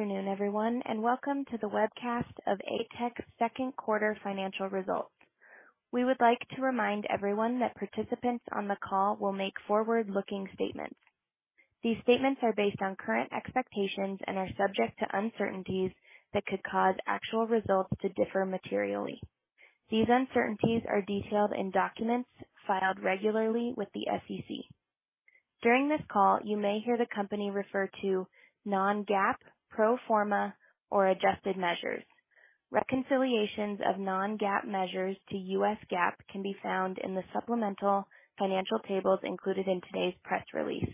Good afternoon, everyone, and welcome to the webcast of ATEC's second quarter financial results. We would like to remind everyone that participants on the call will make forward-looking statements. These statements are based on current expectations and are subject to uncertainties that could cause actual results to differ materially. These uncertainties are detailed in documents filed regularly with the SEC. During this call, you may hear the company refer to non-GAAP, pro forma, or adjusted measures. Reconciliations of non-GAAP measures to U.S. GAAP can be found in the supplemental financial tables included in today's press release,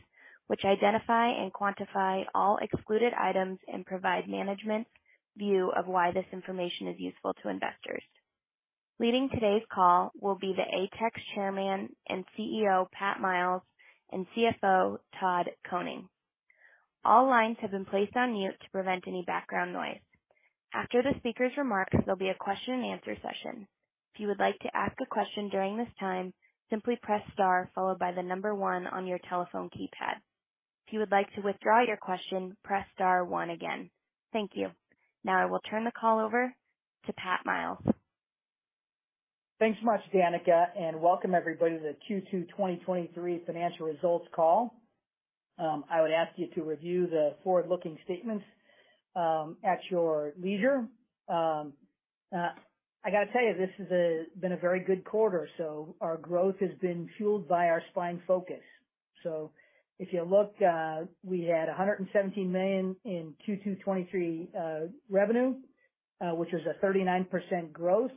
which identify and quantify all excluded items and provide management's view of why this information is useful to investors. Leading today's call will be the ATEC Chairman and CEO, Pat Miles, and CFO, Todd Koning. All lines have been placed on mute to prevent any background noise. After the speaker's remarks, there'll be a question and answer session. If you would like to ask a question during this time, simply press star followed by the number one on your telephone keypad. If you would like to withdraw your question, press star one again. Thank you. Now I will turn the call over to Pat Miles. Thanks so much, Danica. Welcome everybody to the Q2 2023 financial results call. I would ask you to review the forward-looking statements at your leisure. I gotta tell you, this has been a very good quarter. Our growth has been fueled by our spine focus. If you look, we had $117 million in Q2 2023 revenue, which is a 39% growth,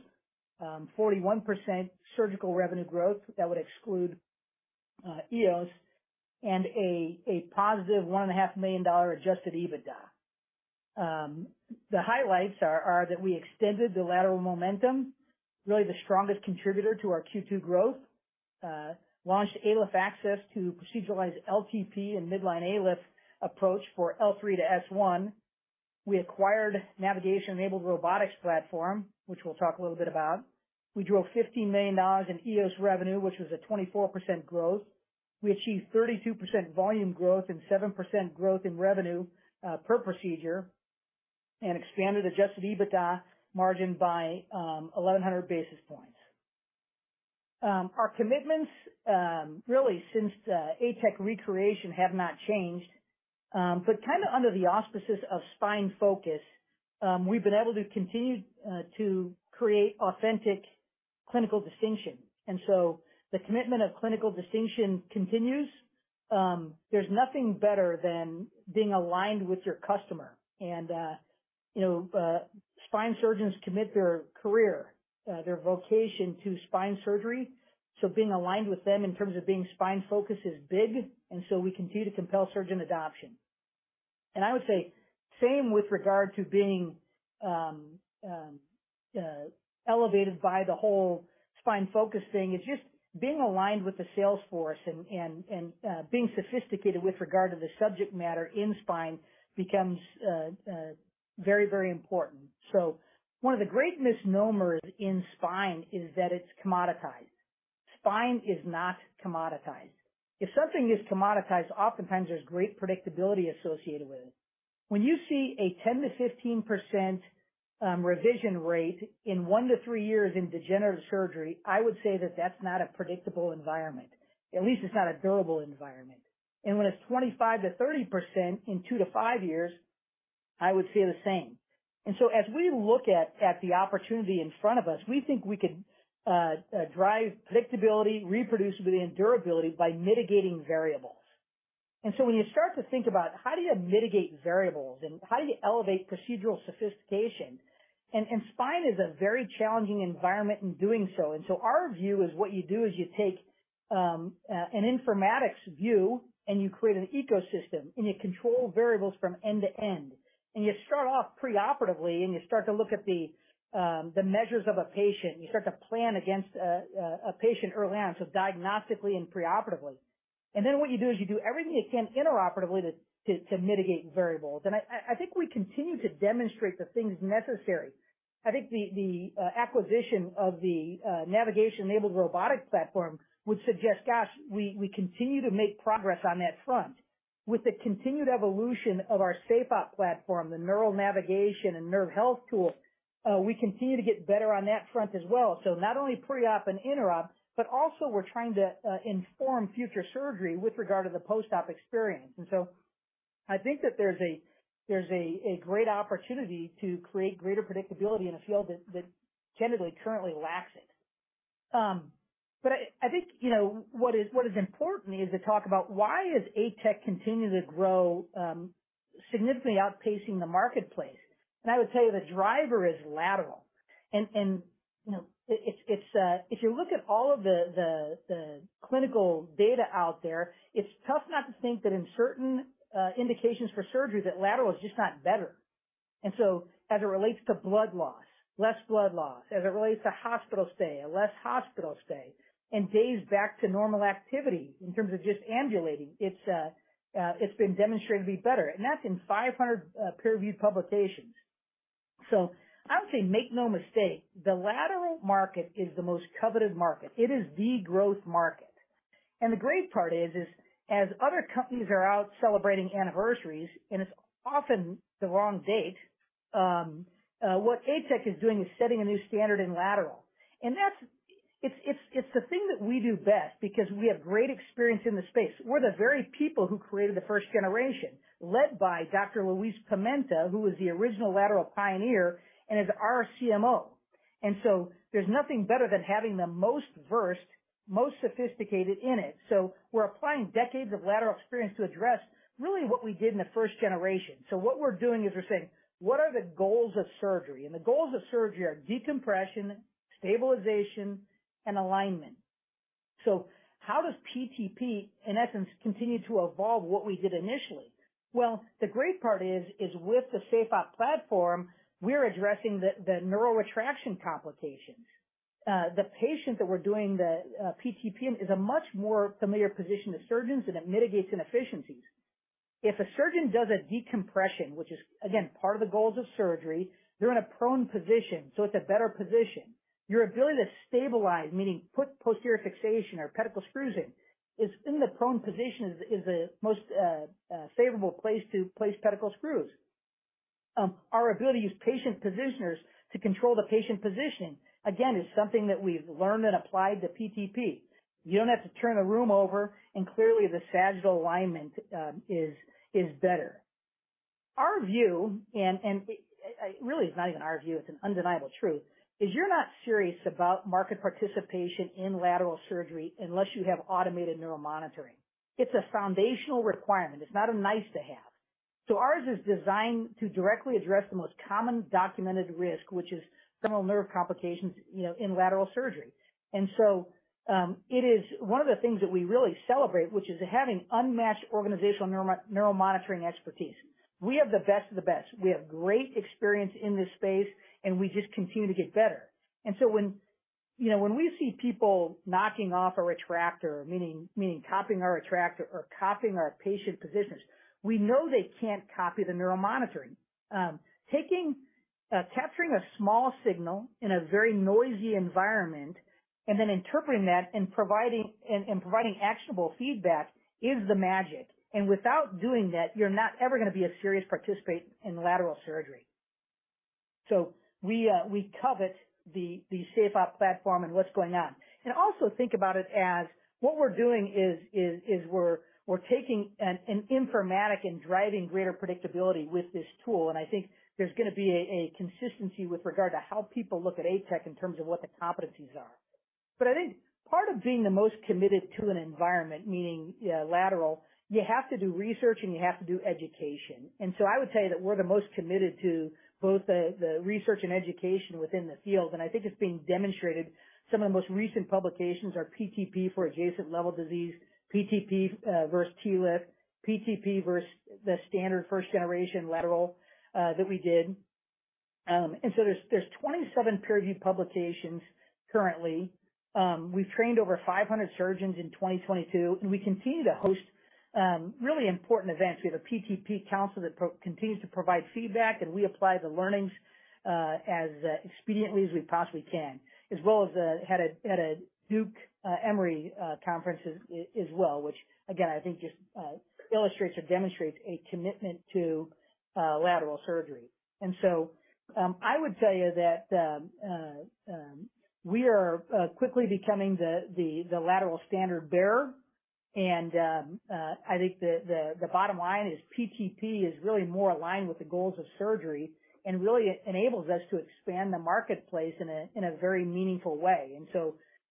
41% surgical revenue growth that would exclude EOS, and a +$1.5 million adjusted EBITDA. The highlights are that we extended the lateral momentum, really the strongest contributor to our Q2 growth, launched ALIF access to proceduralize LTP and midline ALIF approach for L3-S1. We acquired navigation-enabled robotics platform, which we'll talk a little bit about. We drove $15 million in EOS revenue, which was a 24% growth. We achieved 32% volume growth and 7% growth in revenue per procedure, and expanded adjusted EBITDA margin by 1,100 basis points. Our commitments really since the ATEC recreation have not changed, but kind of under the auspices of spine focus, we've been able to continue to create authentic clinical distinction. The commitment of clinical distinction continues. There's nothing better than being aligned with your customer. You know, spine surgeons commit their career, their vocation to spine surgery, so being aligned with them in terms of being spine focused is big, we continue to compel surgeon adoption. I would say, same with regard to being elevated by the whole spine focus thing, is just being aligned with the sales force and, and, and being sophisticated with regard to the subject matter in spine becomes very, very important. One of the great misnomers in spine is that it's commoditized. Spine is not commoditized. If something is commoditized, oftentimes there's great predictability associated with it. When you see a 10%-15% revision rate in 1-3 years in degenerative surgery, I would say that that's not a predictable environment. At least it's not a billable environment. When it's 25%-30% in 2-5 years, I would say the same. As we look at, at the opportunity in front of us, we think we can drive predictability, reproducibility, and durability by mitigating variables. When you start to think about how do you mitigate variables and how do you elevate procedural sophistication, and spine is a very challenging environment in doing so. Our view is what you do is you take an informatics view, and you create an ecosystem, and you control variables from end to end, and you start off pre-operatively, and you start to look at the measures of a patient. You start to plan against a patient early on, so diagnostically and pre-operatively. Then what you do is you do everything you can intraoperatively to mitigate variables. I think we continue to demonstrate the things necessary. I think the, the acquisition of the navigation-enabled robotics platform would suggest, gosh, we, we continue to make progress on that front. With the continued evolution of our SafeOp platform, the neural navigation and nerve health tool, we continue to get better on that front as well. Not only pre-op and intra-op, but also we're trying to inform future surgery with regard to the post-op experience. I think that there's a, there's a, a great opportunity to create greater predictability in a field that, that generally currently lacks it. I think, you know, what is, what is important is to talk about why is ATEC continuing to grow, significantly outpacing the marketplace? I would tell you the driver is lateral. You know, it's, it's, if you look at all of the, the, the clinical data out there, it's tough not to think that in certain indications for surgery, that lateral is just not better. As it relates to blood loss, less blood loss, as it relates to hospital stay, a less hospital stay, and days back to normal activity in terms of just ambulating, it's, it's been demonstrated to be better, and that's in 500 peer-reviewed publications. I would say, make no mistake, the lateral market is the most coveted market. It is the growth market. The great part is, is as other companies are out celebrating anniversaries, and it's often the wrong date, what ATEC is doing is setting a new standard in lateral. It's the thing that we do best because we have great experience in the space. We're the very people who created the first generation, led by Dr. Luiz Pimenta, who was the original lateral pioneer and is our CMO. There's nothing better than having the most versed, most sophisticated in it. We're applying decades of lateral experience to address really what we did in the first generation. What we're doing is we're saying: What are the goals of surgery? The goals of surgery are decompression, stabilization, and alignment. How does PTP, in essence, continue to evolve what we did initially? Well, the great part is, is with the SafeOp platform, we're addressing the neural retraction complications. The patient that we're doing the PTP is a much more familiar position to surgeons, and it mitigates inefficiencies. If a surgeon does a decompression, which is, again, part of the goals of surgery, they're in a prone position, so it's a better position. Your ability to stabilize, meaning put posterior fixation or pedicle screws in, is in the prone position, is the most favorable place to place pedicle screws. Our ability to use patient positioners to control the patient position, again, is something that we've learned and applied to PTP. You don't have to turn a room over. Clearly, the sagittal alignment is better. Our view, and it really is not even our view, it's an undeniable truth, is you're not serious about market participation in lateral surgery unless you have automated neuromonitoring. It's a foundational requirement. It's not a nice-to-have. Ours is designed to directly address the most common documented risk, which is femoral nerve complications, you know, in lateral surgery. It is one of the things that we really celebrate, which is having unmatched organizational neuromonitoring expertise. We have the best of the best. We have great experience in this space, and we just continue to get better. When, you know, when we see people knocking off our retractor, meaning, meaning copying our retractor or copying our patient positions, we know they can't copy the neuromonitoring. Taking capturing a small signal in a very noisy environment and then interpreting that and providing, and, and providing actionable feedback is the magic. Without doing that, you're not ever gonna be a serious participant in lateral surgery. We covet the SafeOp platform and what's going on. Also think about it as what we're doing is we're taking an informatic and driving greater predictability with this tool, and I think there's gonna be a consistency with regard to how people look at ATEC in terms of what the competencies are. I think part of being the most committed to an environment, meaning lateral, you have to do research, and you have to do education. I would tell you that we're the most committed to both the research and education within the field, and I think it's being demonstrated. Some of the most recent publications are PTP for adjacent level disease, PTP versus TLIF, PTP versus the standard first-generation lateral that we did. There's 27 peer-reviewed publications currently. We've trained over 500 surgeons in 2022, we continue to host really important events. We have a PTP council that continues to provide feedback, we apply the learnings as expediently as we possibly can, as well as had a Duke, Emory conference as well, which again, I think just illustrates or demonstrates a commitment to lateral surgery. I would tell you that we are quickly becoming the lateral standard bearer, I think the bottom line is PTP is really more aligned with the goals of surgery and really enables us to expand the marketplace in a very meaningful way.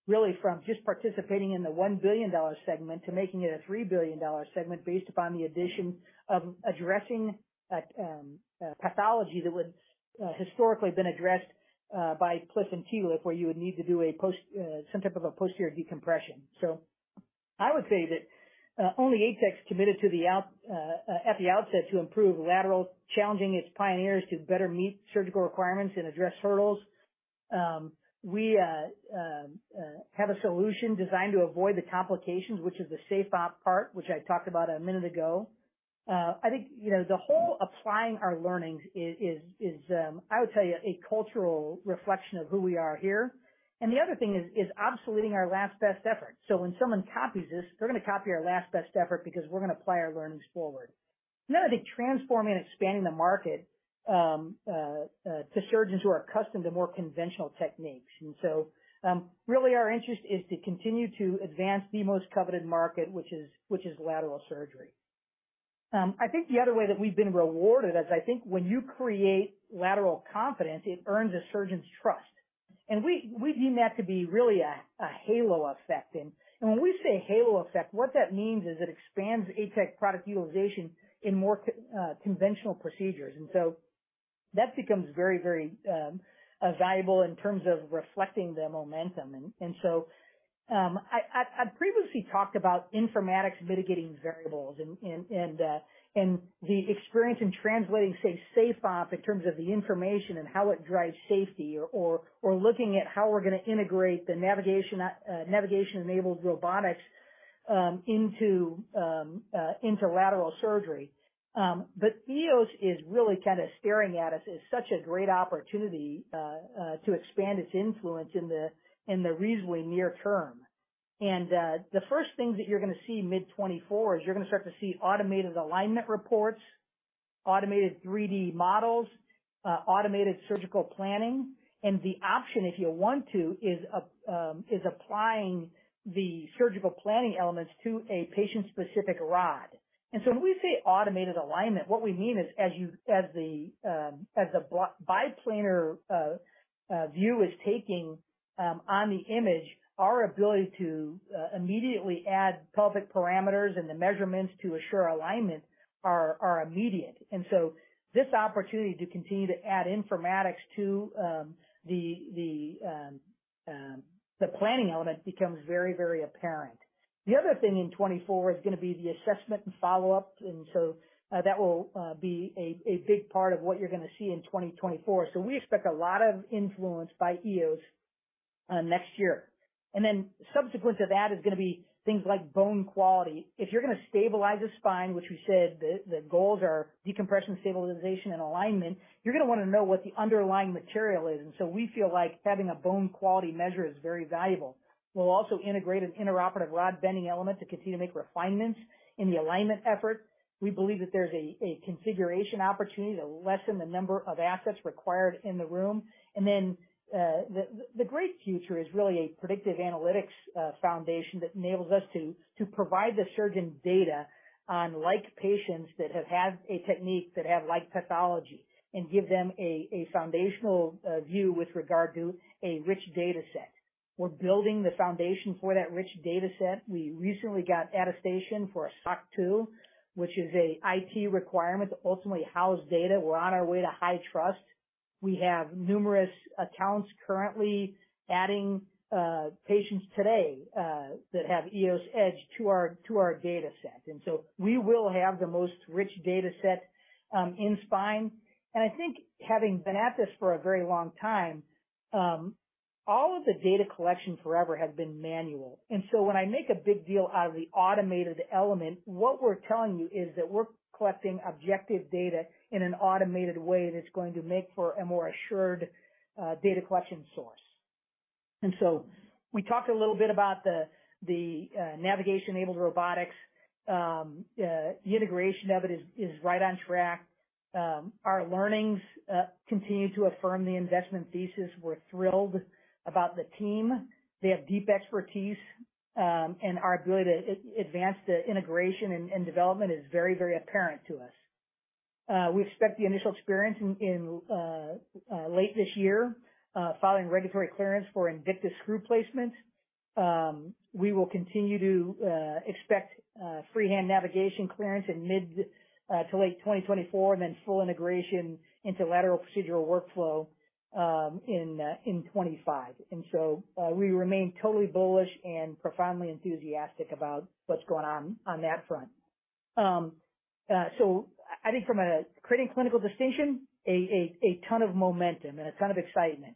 Really, from just participating in the $1 billion segment to making it a $3 billion segment based upon the addition of addressing, pathology that would historically been addressed by PLIF and TLIF, where you would need to do a post, some type of a posterior decompression. I would say that only ATEC's committed to the out at the outset to improve lateral, challenging its pioneers to better meet surgical requirements and address hurdles. We have a solution designed to avoid the complications, which is the SafeOp part, which I talked about a minute ago. I think, you know, the whole applying our learnings is, is, is, I would tell you, a cultural reflection of who we are here, and the other thing is, is obsoleting our last best effort. When someone copies this, they're gonna copy our last best effort because we're gonna apply our learnings forward. I think transforming and expanding the market to surgeons who are accustomed to more conventional techniques. Really our interest is to continue to advance the most coveted market, which is, which is lateral surgery. I think the other way that we've been rewarded, as I think when you create lateral confidence, it earns a surgeon's trust. We, we view that to be really a, a halo effect. When we say halo effect, what that means is it expands ATEC product utilization in more conventional procedures, and so that becomes very, very valuable in terms of reflecting the momentum. I previously talked about informatics mitigating variables and, and, and the experience in translating, say, SafeOp, in terms of the information and how it drives safety or, or, or looking at how we're gonna integrate the navigation, navigation-enabled robotics into, into lateral surgery. But EOS is really kind of staring at us as such a great opportunity to expand its influence in the, in the reasonably near term. The first things that you're gonna see mid 2024 is you're gonna start to see automated alignment reports, automated 3D models, automated surgical planning, and the option, if you want to, is, is applying the surgical planning elements to a patient-specific rod. When we say automated alignment, what we mean is as the bi-planar view is taking on the image, our ability to immediately add pelvic parameters and the measurements to assure alignment are immediate. This opportunity to continue to add informatics to the planning element becomes very, very apparent. The other thing in 2024 is going to be the assessment and follow-up, that will be a big part of what you're going to see in 2024. We expect a lot of influence by EOS next year. Subsequent to that is going to be things like bone quality. If you're going to stabilize a spine, which we said the goals are decompression, stabilization, and alignment, you're going to want to know what the underlying material is. We feel like having a bone quality measure is very valuable. We'll also integrate an intraoperative rod bending element to continue to make refinements in the alignment effort. We believe that there's a configuration opportunity to lessen the number of assets required in the room. The great future is really a predictive analytics foundation, that enables us to provide the surgeon data on like patients that have had a technique, that have like pathology, and give them a foundational view with regard to a rich data set. We're building the foundation for that rich data set. We recently got attestation for SOC 2, which is a IT requirement to ultimately house data. We're on our way to HITRUST. We have numerous accounts currently adding patients today that have EOSedge to our data set. We will have the most rich data set in spine. I think having been at this for a very long time, all of the data collection forever has been manual. When I make a big deal out of the automated element, what we're telling you is that we're collecting objective data in an automated way that's going to make for a more assured data collection source. We talked a little bit about the, the navigation-enabled robotics. The integration of it is, is right on track. Our learnings continue to affirm the investment thesis. We're thrilled about the team. They have deep expertise, and our ability to advance the integration and, and development is very, very apparent to us. We expect the initial experience in, in late this year, following regulatory clearance for InVictus screw placement. We will continue to expect freehand navigation clearance in mid to late 2024, then full integration into lateral procedural workflow in 25. We remain totally bullish and profoundly enthusiastic about what's going on on that front. I think from a creating clinical distinction, a ton of momentum and a ton of excitement.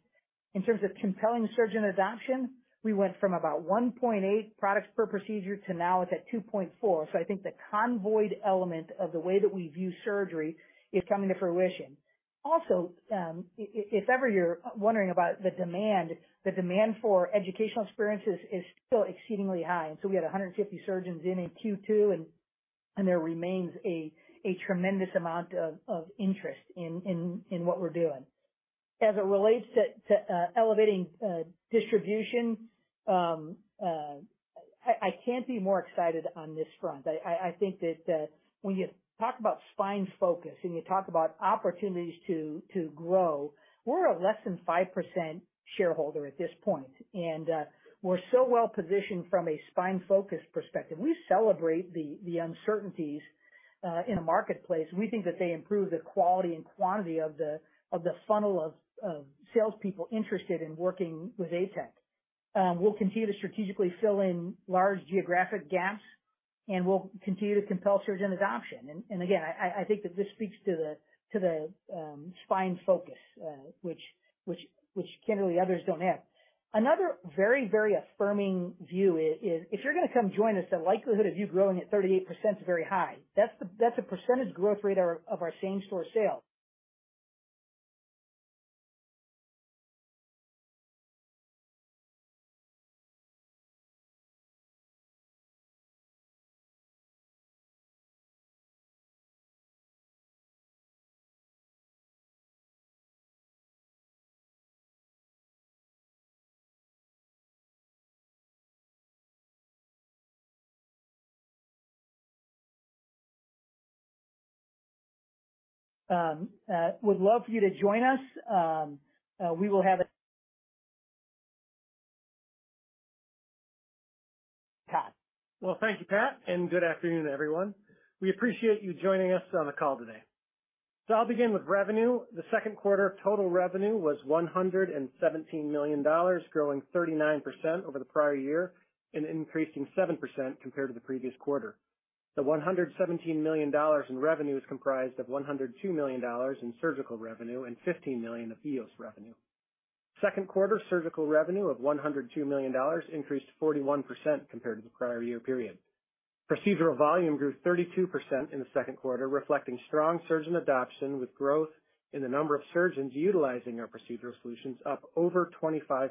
In terms of compelling surgeon adoption, we went from about 1.8 products per procedure to now it's at 2.4. I think the convoyed element of the way that we view surgery is coming to fruition. If, if, if ever you're wondering about the demand, the demand for educational experiences is still exceedingly high. We had 150 surgeons in in Q2, there remains a, a tremendous amount of, of interest in, in, in what we're doing. As it relates to, to elevating distribution, I, I can't be more excited on this front. I, I, I think that when you talk about spine focus and you talk about opportunities to, to grow, we're a less than 5% shareholder at this point, we're so well positioned from a spine focus perspective. We celebrate the, the uncertainties in a marketplace. We think that they improve the quality and quantity of the, of the funnel of, of salespeople interested in working with ATEC. We'll continue to strategically fill in large geographic gaps, we'll continue to compel surgeon adoption. Again, I think that this speaks to the spine focus, which Kimberly others don't have. Another very, very affirming view is, if you're gonna come join us, the likelihood of you growing at 38% is very high. That's a percentage growth rate of our same store sales. Would love for you to join us. We will have a... Todd. Well, thank you, Pat, and good afternoon, everyone. We appreciate you joining us on the call today. I'll begin with revenue. The second quarter total revenue was $117 million, growing 39% over the prior year and increasing 7% compared to the previous quarter. The $117 million in revenue is comprised of $102 million in surgical revenue and $15 million of EOS revenue. Second quarter surgical revenue of $102 million increased 41% compared to the prior year period. Procedural volume grew 32% in the second quarter, reflecting strong surgeon adoption, with growth in the number of surgeons utilizing our procedural solutions up over 25%.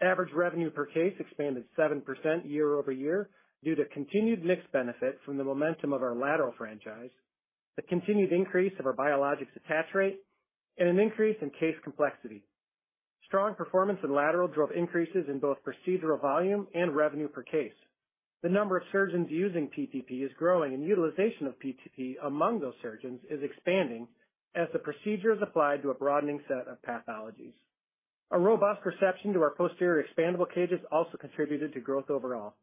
Average revenue per case expanded 7% year-over-year, due to continued mix benefit from the momentum of our lateral franchise, the continued increase of our biologics attach rate, and an increase in case complexity. Strong performance in lateral drove increases in both procedural volume and revenue per case. The number of surgeons using PTP is growing, and utilization of PTP among those surgeons is expanding as the procedure is applied to a broadening set of pathologies. A robust reception to our posterior expandable cages also contributed to growth overall.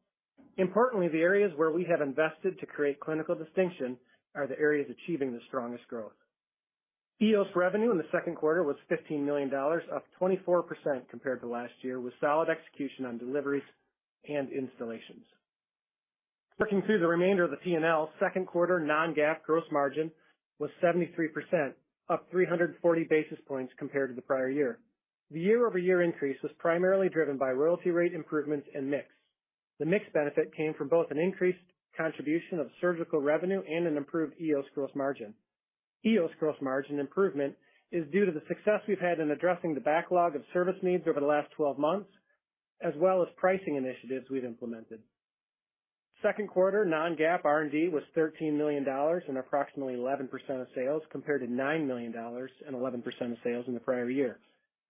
Importantly, the areas where we have invested to create clinical distinction are the areas achieving the strongest growth. EOS revenue in the second quarter was $15 million, up 24% compared to last year, with solid execution on deliveries and installations. Working through the remainder of the P&L, second quarter non-GAAP gross margin was 73%, up 340 basis points compared to the prior year. The year-over-year increase was primarily driven by royalty rate improvements and mix. The mix benefit came from both an increased contribution of surgical revenue and an improved EOS gross margin. EOS gross margin improvement is due to the success we've had in addressing the backlog of service needs over the last 12 months, as well as pricing initiatives we've implemented. Second quarter non-GAAP R&D was $13 million and approximately 11% of sales, compared to $9 million and 11% of sales in the prior year.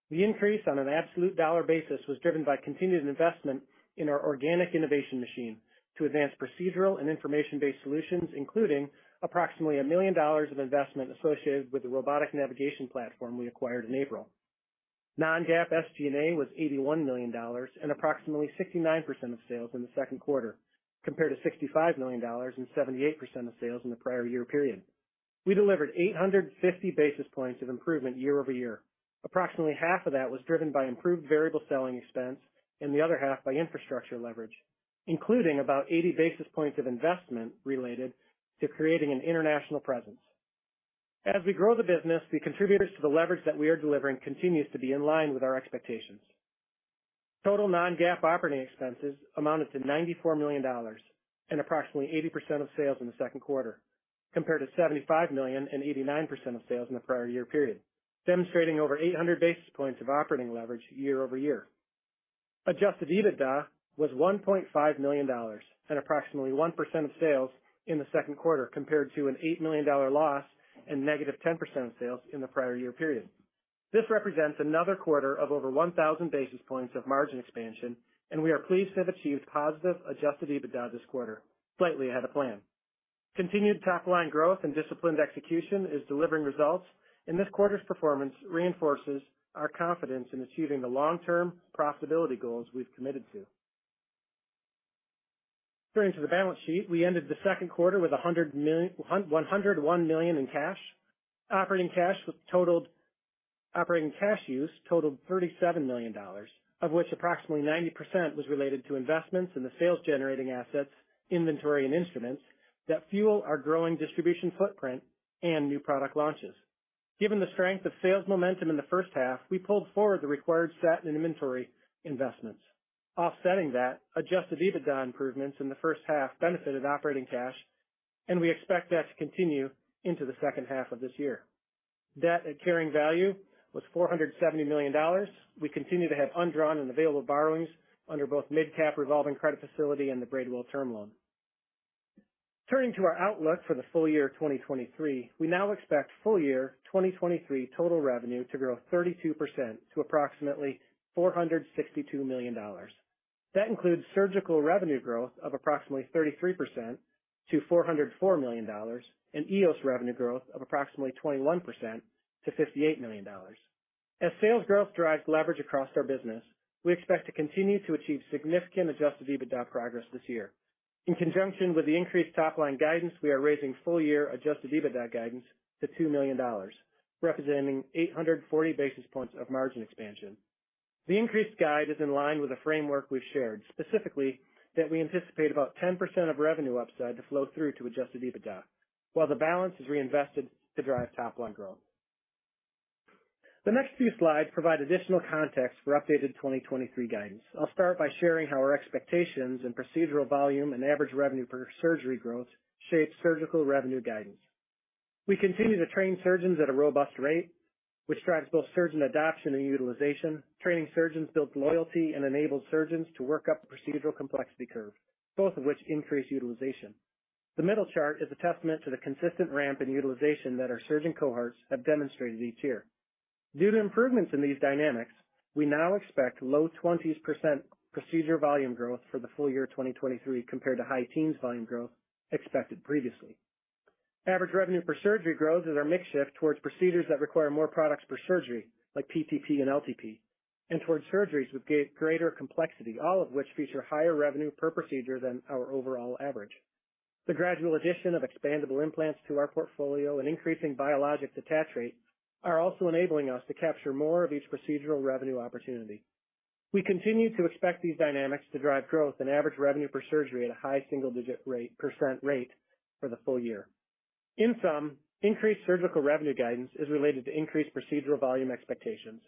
The increase on an absolute dollar basis was driven by continued investment in our organic innovation machine to advance procedural and information-based solutions, including approximately $1 million of investment associated with the robotic navigation platform we acquired in April. Non-GAAP SG&A was $81 million and approximately 69% of sales in the second quarter, compared to $65 million and 78% of sales in the prior year period. We delivered 850 basis points of improvement year-over-year. Approximately half of that was driven by improved variable selling expense and the other half by infrastructure leverage, including about 80 basis points of investment related to creating an international presence. As we grow the business, the contributors to the leverage that we are delivering continues to be in line with our expectations. Total non-GAAP operating expenses amounted to $94 million and approximately 80% of sales in the second quarter, compared to $75 million and 89% of sales in the prior year period, demonstrating over 800 basis points of operating leverage year-over-year. Adjusted EBITDA was $1.5 million and approximately 1% of sales in the second quarter, compared to an $8 million loss and -10% of sales in the prior year period. This represents another quarter of over 1,000 basis points of margin expansion. We are pleased to have achieved positive adjusted EBITDA this quarter, slightly ahead of plan. Continued top line growth and disciplined execution is delivering results. This quarter's performance reinforces our confidence in achieving the long-term profitability goals we've committed to. Turning to the balance sheet, we ended the second quarter with $101 million in cash. Operating cash use totaled $37 million, of which approximately 90% was related to investments in the sales-generating assets, inventory, and instruments that fuel our growing distribution footprint and new product launches. Given the strength of sales momentum in the first half, we pulled forward the required set and inventory investments. Offsetting that, adjusted EBITDA improvements in the first half benefited operating cash, and we expect that to continue into the second half of this year. Debt at carrying value was $470 million. We continue to have undrawn and available borrowings under both MidCap revolving credit facility and the Braidwell term loan. Turning to our outlook for the full year 2023, we now expect full year 2023 total revenue to grow 32% to approximately $462 million. That includes surgical revenue growth of approximately 33% to $404 million, and EOS revenue growth of approximately 21% to $58 million. As sales growth drives leverage across our business, we expect to continue to achieve significant adjusted EBITDA progress this year. In conjunction with the increased top line guidance, we are raising full year adjusted EBITDA guidance to $2 million, representing 840 basis points of margin expansion. The increased guide is in line with the framework we've shared, specifically that we anticipate about 10% of revenue upside to flow through to adjusted EBITDA, while the balance is reinvested to drive top line growth. The next few slides provide additional context for updated 2023 guidance. I'll start by sharing how our expectations in procedural volume and average revenue per surgery growth shape surgical revenue guidance. We continue to train surgeons at a robust rate, which drives both surgeon adoption and utilization. Training surgeons builds loyalty and enables surgeons to work up the procedural complexity curve, both of which increase utilization. The middle chart is a testament to the consistent ramp in utilization that our surgeon cohorts have demonstrated each year. Due to improvements in these dynamics, we now expect low 20s% procedure volume growth for the full year 2023, compared to high teens volume growth expected previously. Average revenue per surgery growth is our mix shift towards procedures that require more products per surgery, like PTP and LTP, and towards surgeries with greater complexity, all of which feature higher revenue per procedure than our overall average. The gradual addition of expandable implants to our portfolio and increasing biologic attach rates are also enabling us to capture more of each procedural revenue opportunity. We continue to expect these dynamics to drive growth and average revenue per surgery at a high single-digit % rate for the full year. In sum, increased surgical revenue guidance is related to increased procedural volume expectations.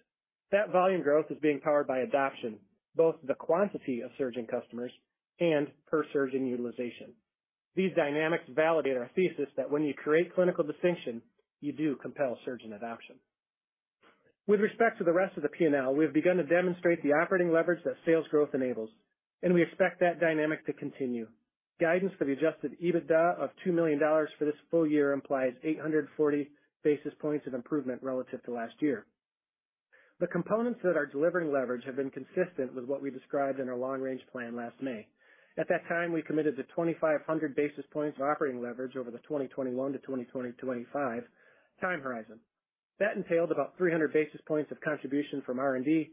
That volume growth is being powered by adoption, both the quantity of surgeon customers and per surgeon utilization. These dynamics validate our thesis that when you create clinical distinction, you do compel surgeon adoption. With respect to the rest of the P&L, we have begun to demonstrate the operating leverage that sales growth enables, we expect that dynamic to continue. Guidance for the adjusted EBITDA of $2 million for this full year implies 840 basis points of improvement relative to last year. The components that are delivering leverage have been consistent with what we described in our long-range plan last May. At that time, we committed to 2,500 basis points of operating leverage over the 2021 to 2025 time horizon. That entailed about 300 basis points of contribution from R&D,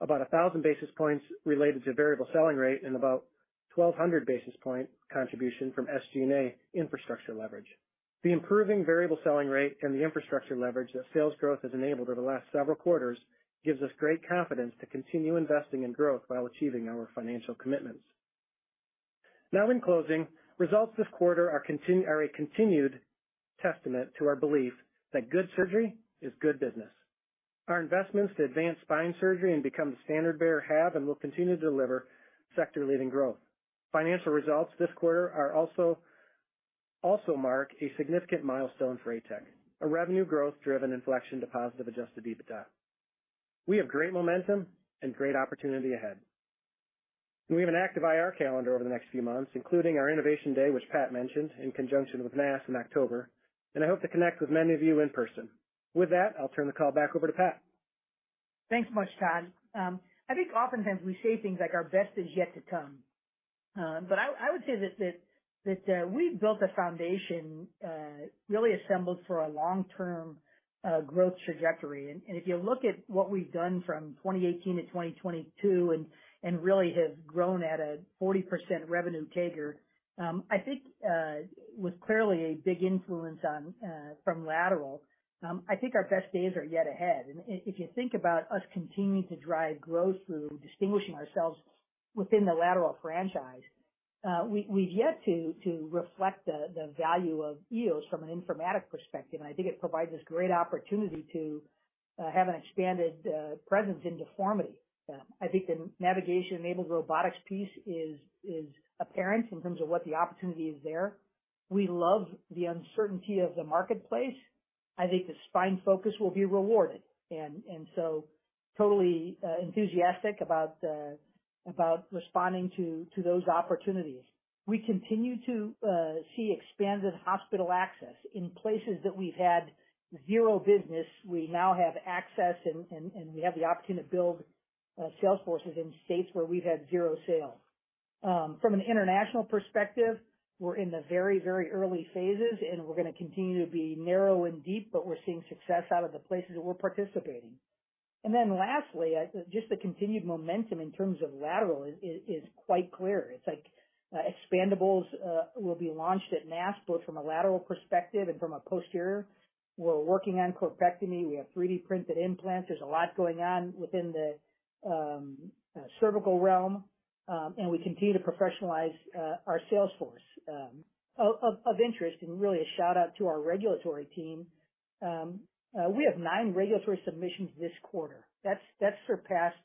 about 1,000 basis points related to variable selling rate, and about 1,200 basis point contribution from SG&A infrastructure leverage. The improving variable selling rate and the infrastructure leverage that sales growth has enabled over the last several quarters gives us great confidence to continue investing in growth while achieving our financial commitments. Now, in closing, results this quarter are a continued testament to our belief that good surgery is good business. Our investments to advance spine surgery and become the standard bearer have and will continue to deliver sector-leading growth. Financial results this quarter are also mark a significant milestone for ATEC, a revenue growth-driven inflection to positive adjusted EBITDA. We have great momentum and great opportunity ahead, and we have an active IR calendar over the next few months, including our Innovation Day, which Pat mentioned, in conjunction with NASS in October, and I hope to connect with many of you in person. With that, I'll turn the call back over to Pat. Thanks much, Todd. I think oftentimes we say things like, "Our best is yet to come." I, I would say that, that, that, we've built a foundation, really assembled for a long-term, growth trajectory. If you look at what we've done from 2018 to 2022, and, and really have grown at a 40% revenue CAGR, I think, with clearly a big influence on, from lateral, I think our best days are yet ahead. If you think about us continuing to drive growth through distinguishing ourselves within the lateral franchise, we've, we've yet to, to reflect the, the value of EOS from an informatics perspective, and I think it provides us great opportunity to, have an expanded, presence in deformity. I think the navigation-enabled robotics piece is, is apparent in terms of what the opportunity is there. We love the uncertainty of the marketplace. I think the spine focus will be rewarded, and, and so totally enthusiastic about the, about responding to, to those opportunities. We continue to see expanded hospital access. In places that we've had zero business, we now have access, and, and, and we have the opportunity to build sales forces in states where we've had zero sales. From an international perspective, we're in the very, very early phases, and we're gonna continue to be narrow and deep, but we're seeing success out of the places that we're participating. Lastly, just the continued momentum in terms of lateral is, is quite clear. It's like, expandables will be launched at NASS, both from a lateral perspective and from a posterior. We're working on corpectomy. We have 3D printed implants. There's a lot going on within the cervical realm, and we continue to professionalize our sales force. Of, of, of interest and really a shout-out to our regulatory team, we have 9 regulatory submissions this quarter. That's, that's surpassed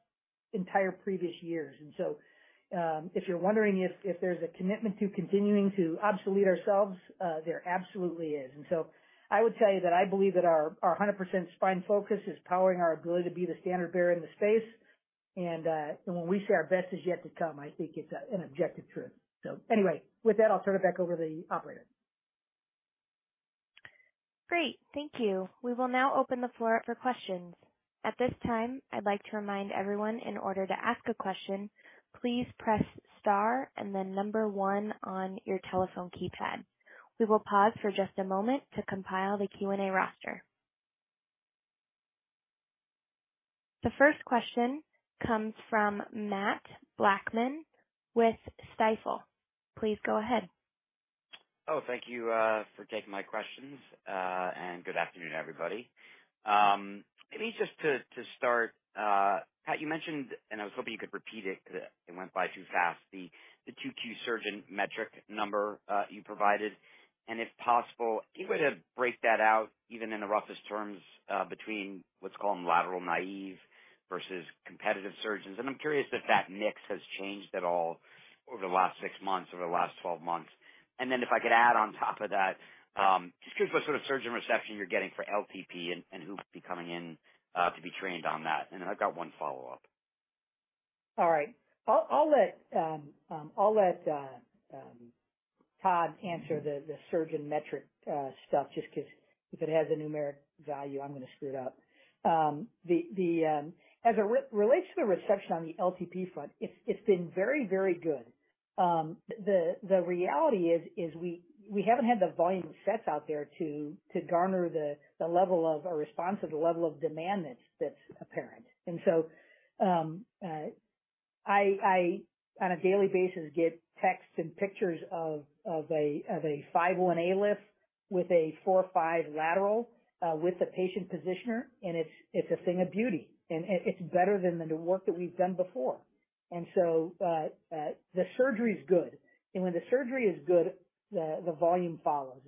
entire previous years. If you're wondering if, if there's a commitment to continuing to obsolete ourselves, there absolutely is. I would tell you that I believe that our, our 100% spine focus is powering our ability to be the standard bearer in the space, and when we say our best is yet to come, I think it's an objective truth. Anyway, with that, I'll turn it back over to the operator. Great. Thank you. We will now open the floor up for questions. At this time, I'd like to remind everyone, in order to ask a question, please press star and then one on your telephone keypad. We will pause for just a moment to compile the Q&A roster. The first question comes from Mat Blackman with Stifel. Please go ahead. Thank you for taking my questions, and good afternoon, everybody. Maybe just to, to start, Pat, you mentioned, and I was hoping you could repeat it, it went by too fast, the 2Q surgeon metric number you provided, and if possible, if you were to break that out, even in the roughest terms, between what's called lateral naive versus competitive surgeons. I'm curious if that mix has changed at all over the last 6 months, over the last 12 months. If I could add on top of that, just curious what sort of surgeon reception you're getting for LTP and, and who would be coming in to be trained on that. I've got 1 follow-up. All right. I'll, I'll let, I'll let Todd answer the, the surgeon metric stuff, just 'cause if it has a numeric value, I'm gonna screw it up. The, the as it relates to the reception on the LTP front, it's, it's been very, very good. The, the reality is, is we, we haven't had the volume of sets out there to, to garner the, the level of, or response to the level of demand that's, that's apparent. So, I, on a daily basis, get texts and pictures of, of a, of a 5 1 ALIF with a 4 5 lateral with a patient positioner, and it's, it's a thing of beauty, and it, it's better than the work that we've done before. The surgery is good, and when the surgery is good, the, the volume follows.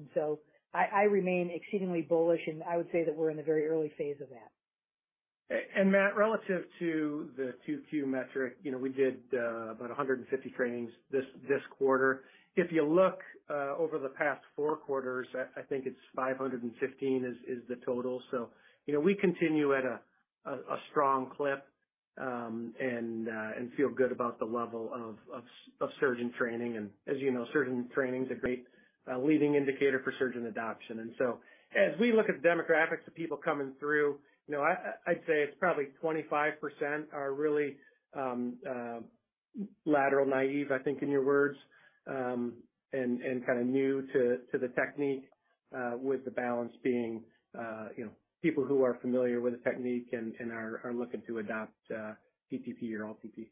I, I remain exceedingly bullish, and I would say that we're in the very early phase of that. Mat, relative to the 2Q metric, you know, we did about 150 trainings this, this quarter. If you look over the past 4 quarters, I, I think it's 515 is, is the total. You know, we continue at a strong clip and feel good about the level of surgeon training. As you know, surgeon training is a great leading indicator for surgeon adoption. As we look at the demographics of people coming through, you know, I, I'd say it's probably 25% are really lateral naive, I think, in your words, and kind of new to the technique, with the balance being, you know, people who are familiar with the technique and are looking to adopt PTP or LTP.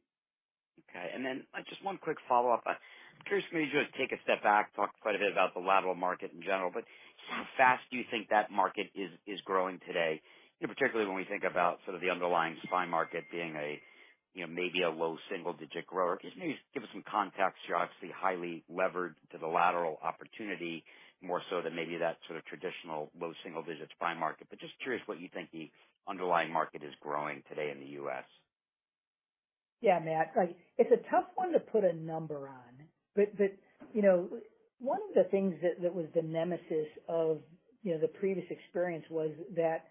Okay. Then just one quick follow-up. I'm curious, maybe just take a step back, talk quite a bit about the lateral market in general, but how fast do you think that market is, is growing today? You know, particularly when we think about sort of the underlying spine market being a, you know, maybe a low single digit grower. Can you just give us some context? You're obviously highly levered to the lateral opportunity, more so than maybe that sort of traditional low single digit spine market, but just curious what you think the underlying market is growing today in the U.S. Yeah, Mat, right. It's a tough one to put a number on, but, you know, one of the things that was the nemesis of, you know, the previous experience was that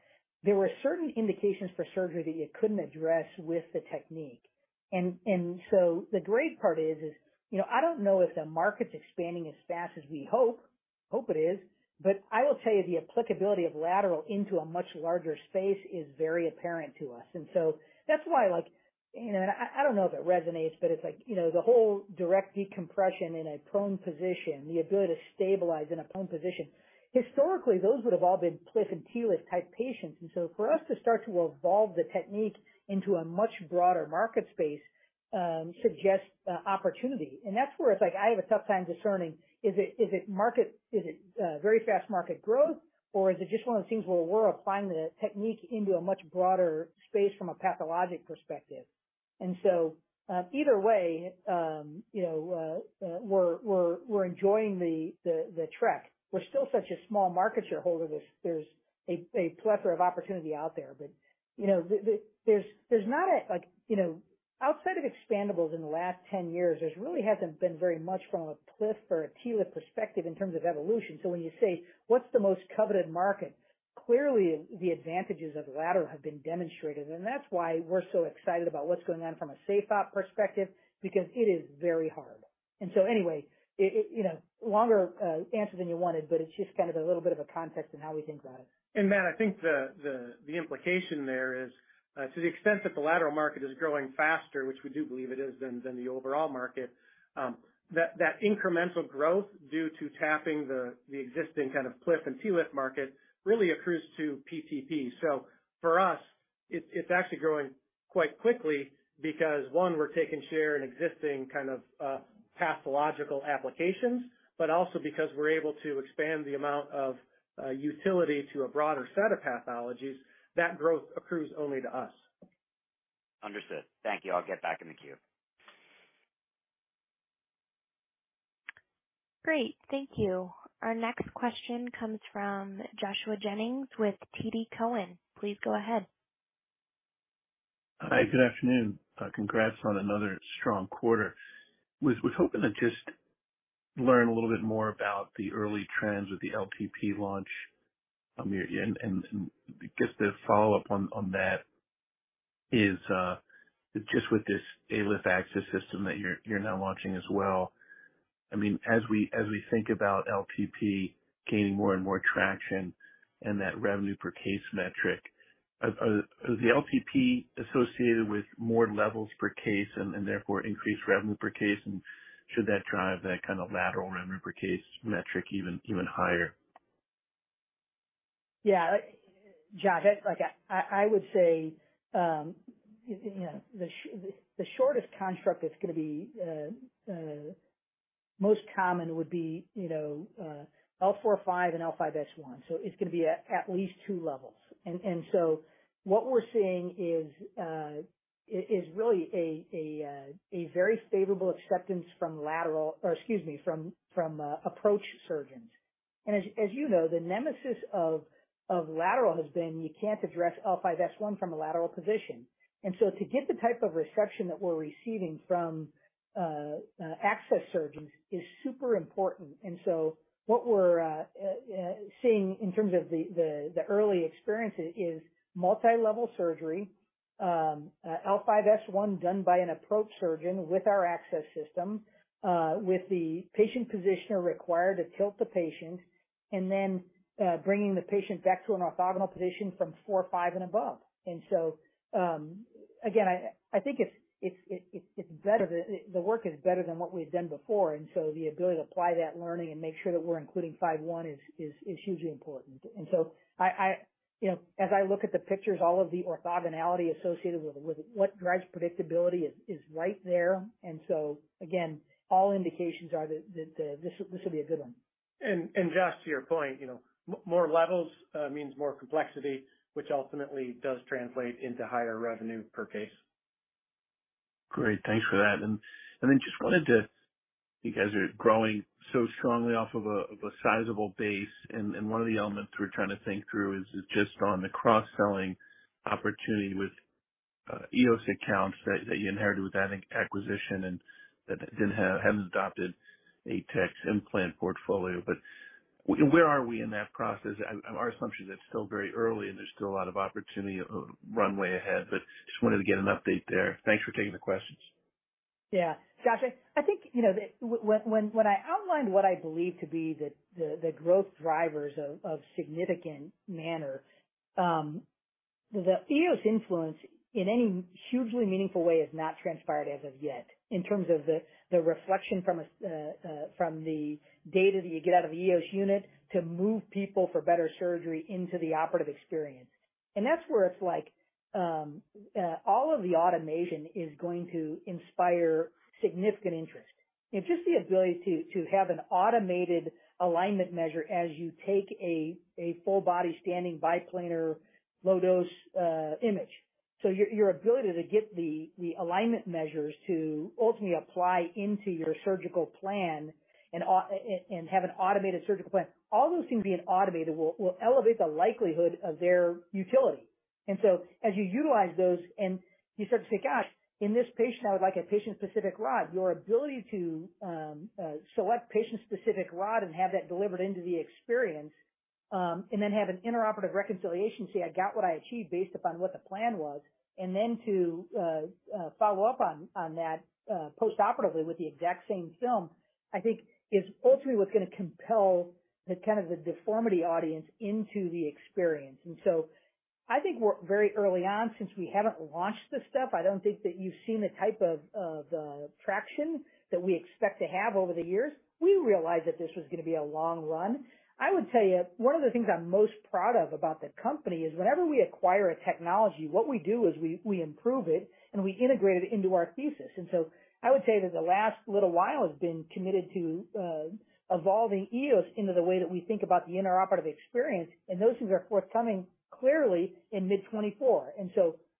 there were certain indications for surgery that you couldn't address with the technique. So the great part is, you know, I don't know if the market's expanding as fast as we hope. Hope it is. I will tell you, the applicability of lateral into a much larger space is very apparent to us. So that's why, like, you know, I, I don't know if it resonates, but it's like, you know, the whole direct decompression in a prone position, the ability to stabilize in a prone position. Historically, those would have all been PLIF and TLIF-type patients. For us to start to evolve the technique into a much broader market space suggests opportunity. That's where it's like I have a tough time discerning is it, is it market-- is it very fast market growth, or is it just one of those things where we're applying the technique into a much broader space from a pathologic perspective? Either way, you know, we're enjoying the trek. We're still such a small market share holder. There's a plethora of opportunity out there. You know, there's not a like. You know, outside of expandables in the last 10 years, there's really hasn't been very much from a PLIF or a TLIF perspective in terms of evolution. When you say, "What's the most coveted market?" Clearly, the advantages of lateral have been demonstrated, and that's why we're so excited about what's going on from a SafeOp perspective, because it is very hard. Anyway, it, you know, longer answer than you wanted, but it's just kind of a little bit of a context in how we think about it. Mat, I think the, the, the implication there is to the extent that the lateral market is growing faster, which we do believe it is, than, than the overall market, that, that incremental growth due to tapping the, the existing kind of PLIF and TLIF market really accrues to PTP. For us, it's, it's actually growing quite quickly because, one, we're taking share in existing kind of pathological applications, but also because we're able to expand the amount of utility to a broader set of pathologies, that growth accrues only to us. Understood. Thank you. I'll get back in the queue. Great. Thank you. Our next question comes from Joshua Jennings with TD Cowen. Please go ahead. Hi, good afternoon. Congrats on another strong quarter. Was, was hoping to just learn a little bit more about the early trends with the LTP launch, and, and I guess the follow-up on, on that is, just with this ALIF access system that you're, you're now launching as well. I mean, as we, as we think about LTP gaining more and more traction and that revenue per case metric, is the LTP associated with more levels per case and, and therefore increased revenue per case? And should that drive that kind of lateral revenue per case metric even, even higher? Yeah. Josh, I, like I, I would say, you know, the shortest construct is gonna be most common, would be, you know, L4-5 and L5-S1, so it's gonna be at least 2 levels. So what we're seeing is really a very favorable acceptance from lateral, or excuse me, from, from approach surgeons. As you know, the nemesis of lateral has been, you can't address L5-S1 from a lateral position. So to get the type of reception that we're receiving from access surgeons is super important. What we're seeing in terms of the early experience is multi-level surgery, L5-S1 done by an approach surgeon with our access system, with the patient positioner required to tilt the patient, then bringing the patient back to an orthogonal position from 4, 5 and above. Again, I, I think it's better than... The work is better than what we've done before, so the ability to apply that learning and make sure that we're including 5-1 is hugely important. I, I, you know, as I look at the pictures, all of the orthogonality associated with what drives predictability is right there. Again, all indications are that this will be a good one. Josh, to your point, you know, more levels, means more complexity, which ultimately does translate into higher revenue per case. Great. Thanks for that. Then just wanted to, you guys are growing so strongly off of a sizable base, and one of the elements we're trying to think through is just on the cross-selling opportunity with EOS accounts that you inherited with that acquisition and that haven't adopted ATEC's implant portfolio. Where are we in that process? Our assumption is it's still very early, and there's still a lot of opportunity, runway ahead, but just wanted to get an update there. Thanks for taking the questions. Yeah, Josh, I think, you know, when, when I outlined what I believe to be the growth drivers of significant manner, the EOS influence in any hugely meaningful way has not transpired as of yet, in terms of the reflection from the data that you get out of an EOS unit to move people for better surgery into the operative experience. That's where it's like, all of the automation is going to inspire significant interest, and just the ability to have an automated alignment measure as you take a full body standing biplanar, low dose image. Your, your ability to get the, the alignment measures to ultimately apply into your surgical plan and have an automated surgical plan, all those things being automated will, will elevate the likelihood of their utility. As you utilize those, and you said, "Gosh, in this patient, I would like a patient-specific rod," your ability to select patient-specific rod and have that delivered into the experience, and then have an intraoperative reconciliation, say, "I got what I achieved based upon what the plan was," and then to follow up on, on that, postoperatively with the exact same film, I think is ultimately what's gonna compel the kind of the deformity audience into the experience. I think we're very early on, since we haven't launched this stuff, I don't think that you've seen the type of, of, traction that we expect to have over the years. We realized that this was gonna be a long run. I would tell you, one of the things I'm most proud of about the company is whenever we acquire a technology, what we do is we, we improve it and we integrate it into our thesis. I would say that the last little while has been committed to, evolving EOS into the way that we think about the intraoperative experience, and those things are forthcoming clearly in mid 2024.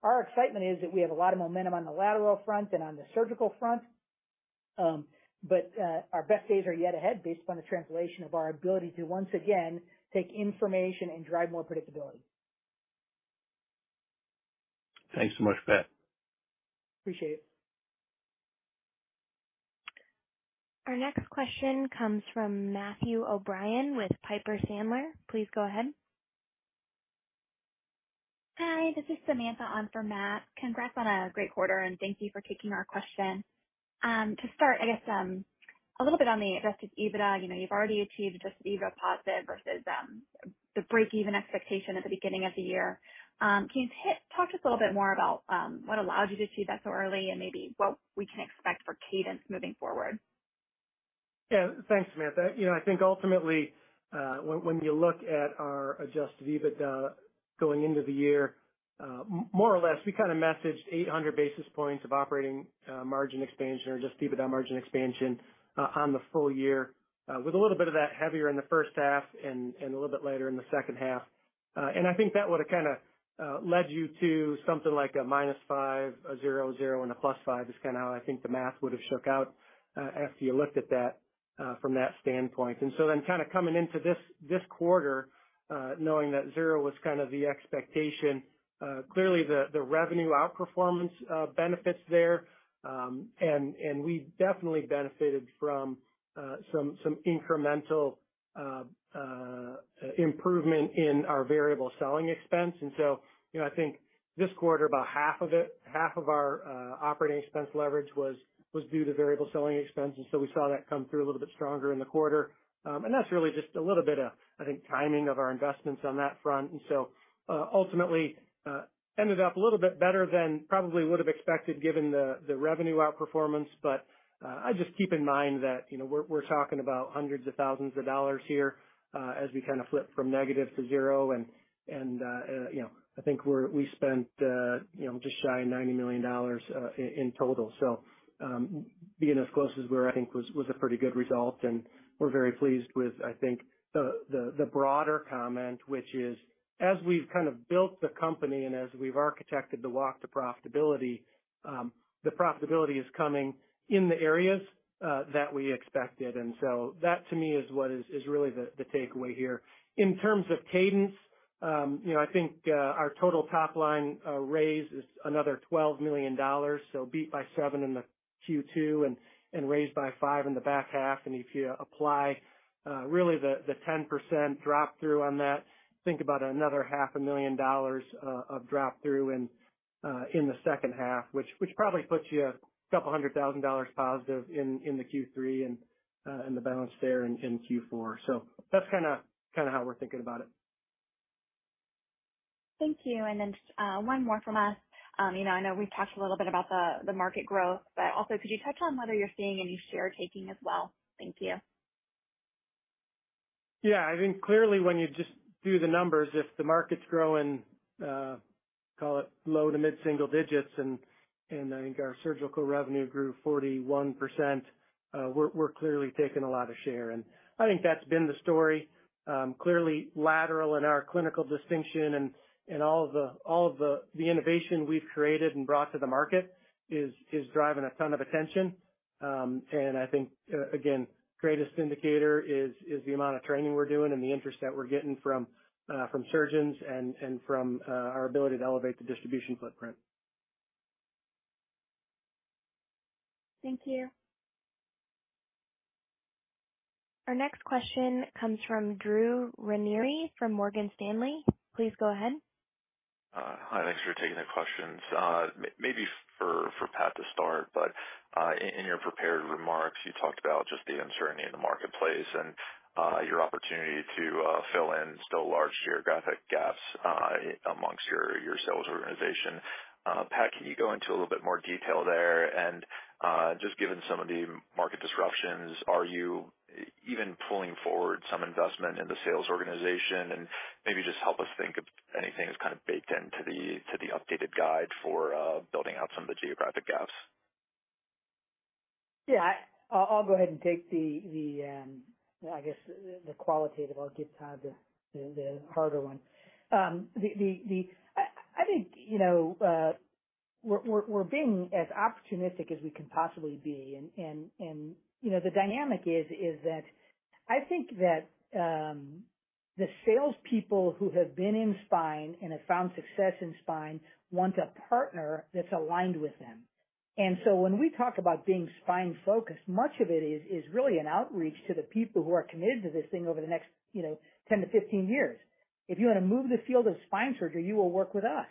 Our excitement is that we have a lot of momentum on the lateral front and on the surgical front, but our best days are yet ahead based upon the translation of our ability to once again, take information and drive more predictability. Thanks so much for that. Appreciate it. Our next question comes from Matthew O'Brien with Piper Sandler. Please go ahead. Hi, this is Samantha on for Matt. Congrats on a great quarter, thank you for taking our question. To start, I guess, a little bit on the adjusted EBITDA. You know, you've already achieved adjusted EBITDA positive versus the breakeven expectation at the beginning of the year. Can you talk to us a little bit more about what allowed you to achieve that so early and maybe what we can expect for cadence moving forward? Yeah. Thanks, Samantha. You know, I think ultimately, when, when you look at our adjusted EBITDA going into the year, more or less, we kind of messaged 800 basis points of operating margin expansion or adjusted EBITDA margin expansion on the full year, with a little bit of that heavier in the first half and, and a little bit later in the second half. I think that would have kind of led you to something like a -5, a 0, 0, and a +5, is kind of how I think the math would've shook out after you looked at that from that standpoint. Kind of coming into this, this quarter, knowing that 0 was kind of the expectation, clearly the, the revenue outperformance benefits there. We definitely benefited from some incremental improvement in our variable selling expense. You know, I think this quarter, about half of it, half of our operating expense leverage was due to variable selling expense, and so we saw that come through a little bit stronger in the quarter. That's really just a little bit of, I think, timing of our investments on that front. Ultimately, ended up a little bit better than probably would've expected, given the revenue outperformance. I just keep in mind that, you know, we're talking about hundreds of thousands of dollars here, as we kind of flip from negative to zero. You know, I think we spent, you know, just shy of $90 million in total. Being as close as we were, I think was a pretty good result, and we're very pleased with, I think, the broader comment, which is, as we've kind of built the company and as we've architected the walk to profitability, the profitability is coming in the areas that we expected. That to me, is what is really the takeaway here. In terms of cadence, you know, I think our total top line raise is another $12 million, so beat by 7 in the Q2 and raised by 5 in the back half. If you apply, really the, the 10% drop through on that, think about another $500,000 of drop through in the second half, which probably puts you a $200,000+ in the Q3 and in the balance there in Q4. That's kind of, kind of how we're thinking about it. Thank you. Then, just, one more from us. you know, I know we've talked a little bit about the market growth, but also, could you touch on whether you're seeing any share taking as well? Thank you. Yeah. I think clearly when you just do the numbers, if the market's growing, call it low to mid single digits, and, and I think our surgical revenue grew 41%, we're, we're clearly taking a lot of share, and I think that's been the story. Clearly lateral in our clinical distinction and, and all of the, all of the, the innovation we've created and brought to the market is, is driving a ton of attention. And I think, again, greatest indicator is, is the amount of training we're doing and the interest that we're getting from, from surgeons and, and from, our ability to elevate the distribution footprint. Thank you. Our next question comes from Drew Ranieri, from Morgan Stanley. Please go ahead. Hi, thanks for taking the questions. Maybe for Pat to start, but in your prepared remarks, you talked about just the uncertainty in the marketplace and your opportunity to fill in still large geographic gaps amongst your sales organization. Pat, can you go into a little bit more detail there? Just given some of the market disruptions, are you even pulling forward some investment in the sales organization? Maybe just help us think if anything is kind of baked into the updated guide for building out some of the geographic gaps. Yeah, I-I'll go ahead and take the, the, I guess, the qualitative. I'll give Todd the, the, the harder one. I, I think, you know, we're, we're, we're being as opportunistic as we can possibly be. You know, the dynamic is, is that I think that, the salespeople who have been in spine and have found success in spine want a partner that's aligned with them. So when we talk about being spine focused, much of it is, is really an outreach to the people who are committed to this thing over the next, you know, 10 to 15 years. If you wanna move the field of spine surgery, you will work with us.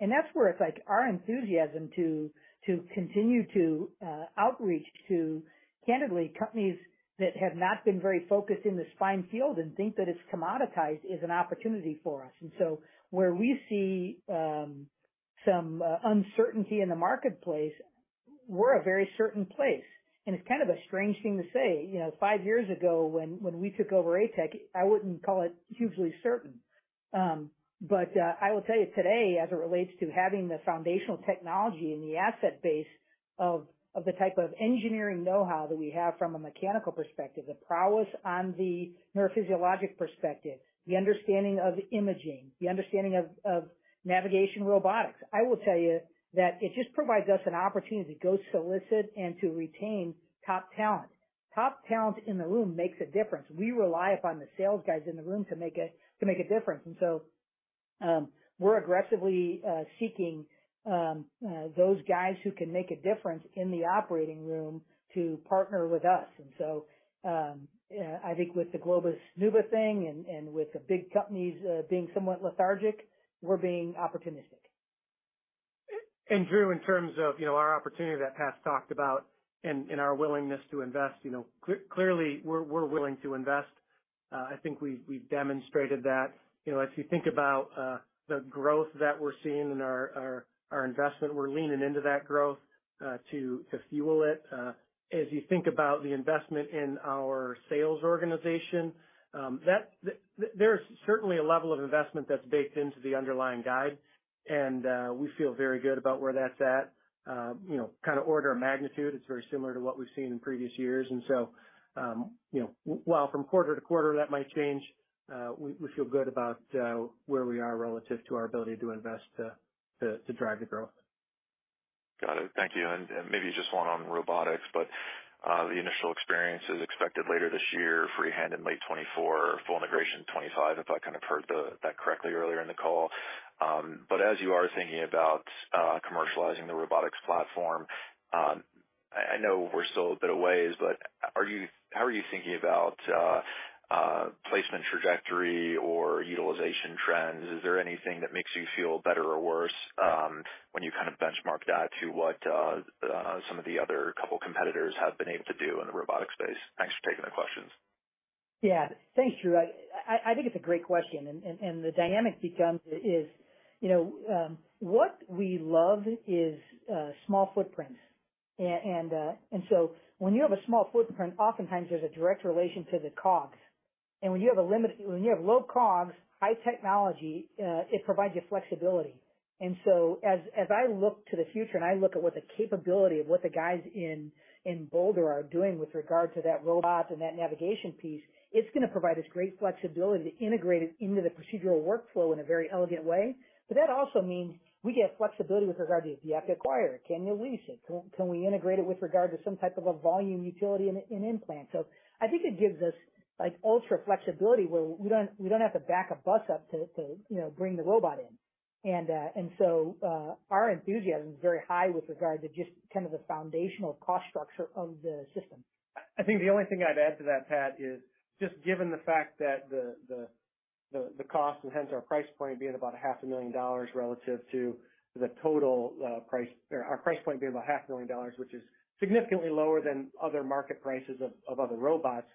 That's where it's like our enthusiasm to, to continue to outreach to candidly, companies that have not been very focused in the spine field and think that it's commoditized, is an opportunity for us. So where we see some uncertainty in the marketplace, we're a very certain place. It's kind of a strange thing to say. You know, five years ago, when, when we took over ATEC, I wouldn't call it hugely certain. But I will tell you today, as it relates to having the foundational technology and the asset base of, of the type of engineering know-how that we have from a mechanical perspective, the prowess on the neurophysiologic perspective, the understanding of imaging, the understanding of, of navigation robotics, I will tell you that it just provides us an opportunity to go solicit and to retain top talent. Top talent in the room makes a difference. We rely upon the sales guys in the room to make a difference, and so, we're aggressively seeking those guys who can make a difference in the operating room to partner with us. I think with the Globus NuVasive thing and, and with the big companies, being somewhat lethargic, we're being opportunistic. Drew, in terms of, you know, our opportunity that Pat's talked about and, and our willingness to invest, you know, clearly, we're, we're willing to invest. I think we've demonstrated that. You know, as you think about the growth that we're seeing in our, our, our investment, we're leaning into that growth, to fuel it. As you think about the investment in our sales organization, there's certainly a level of investment that's baked into the underlying guide, and we feel very good about where that's at. You know, kind of order of magnitude, it's very similar to what we've seen in previous years. You know, while from quarter to quarter, that might change, we feel good about where we are relative to our ability to invest, to, to, to drive the growth. Got it. Thank you. Maybe just one on robotics, but the initial experience is expected later this year, freehand in late 2024, full integration in 2025, if I kind of heard that correctly earlier in the call. As you are thinking about commercializing the robotics platform, I know we're still a bit a ways, but how are you thinking about placement trajectory or utilization trends? Is there anything that makes you feel better or worse, when you kind of benchmark that to what some of the other couple competitors have been able to do in the robotic space? Thanks for taking the questions. Yeah. Thanks, Drew. I, I think it's a great question, and, and, and the dynamic becomes is, you know, what we love is small footprints. So when you have a small footprint, oftentimes there's a direct relation to the COGS. When you have low COGS, high technology, it provides you flexibility. So as, as I look to the future and I look at what the capability of what the guys in, in Boulder are doing with regard to that robot and that navigation piece, it's gonna provide us great flexibility to integrate it into the procedural workflow in a very elegant way. That also means we get flexibility with regard to, do you have to acquire it? Can you lease it? Can, can we integrate it with regard to some type of a volume utility in, in implant? I think it gives us, like, ultra flexibility, where we don't, we don't have to back a bus up to, to, you know, bring the robot in. Our enthusiasm is very high with regard to just kind of the foundational cost structure of the system. I, I think the only thing I'd add to that, Pat, is just given the fact that the, the, the, the cost and hence our price point being about $500,000 relative to the total, Or our price point being about $500,000, which is significantly lower than other market prices of, of other robots,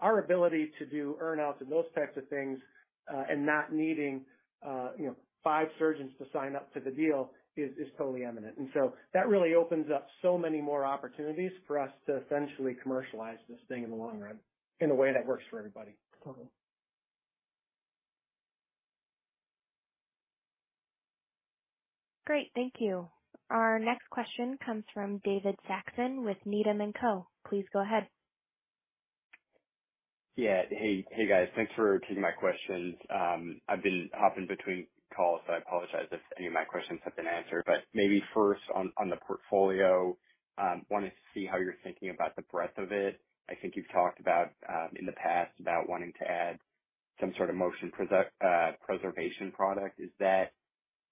our ability to do earn-outs and those types of things, and not needing, you know, 5 surgeons to sign up for the deal is, is totally eminent. So that really opens up so many more opportunities for us to essentially commercialize this thing in the long run, in a way that works for everybody. Great. Thank you. Our next question comes from David Saxon with Needham & Company. Please go ahead. Yeah. Hey, hey, guys. Thanks for taking my questions. I've been hopping between calls, so I apologize if any of my questions have been answered. But maybe first on, on the portfolio, wanted to see how you're thinking about the breadth of it. I think you've talked about, in the past about wanting to add some sort of motion preservation product. Is that